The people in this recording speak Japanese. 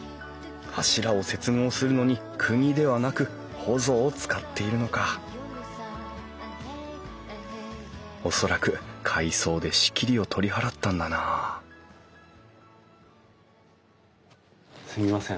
柱を接合するのにくぎではなくほぞを使っているのか恐らく改装で仕切りを取り払ったんだなすいません。